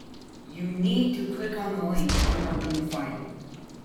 You need to click on the link to open the file